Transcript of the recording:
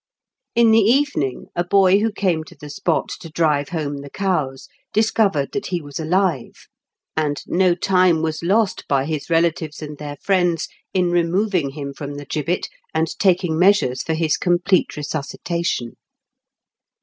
In the evening, a boy who came to the spot to drive home the cows discovered that he was alive, and no time was lost by his relatives and their friends in removing him from the gibbet, and taking measures for his complete resuscitation.